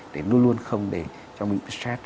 để luôn luôn không để cho mình stress